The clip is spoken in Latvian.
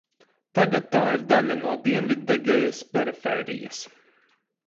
Tagad tā ir daļa no Dienvidegejas perifērijas.